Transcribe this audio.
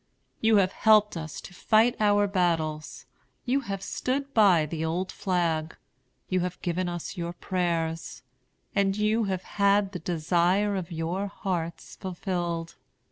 "You have helped us to fight our battles; you have stood by the old flag; you have given us your prayers; and you have had the desire of your hearts fulfilled.